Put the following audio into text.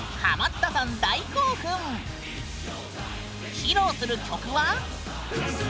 披露する曲は。